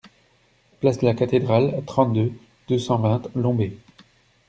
Place de la Cathédrale, trente-deux, deux cent vingt Lombez